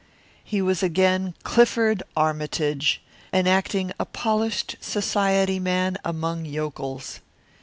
He was again Clifford Armytage, enacting a polished society man among yokels.